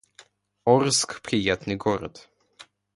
Орск — приятный город